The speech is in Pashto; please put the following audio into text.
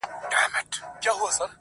د شپې نه وروسته بيا سهار وچاته څه وركوي.